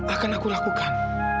akan aku lakukan